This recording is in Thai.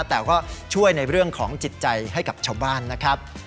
แต่ก็ช่วยในเรื่องของจิตใจให้กับชาวบ้านนะครับ